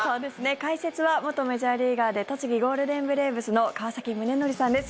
解説は元メジャーリーガーで栃木ゴールデンブレーブスの川崎宗則さんです。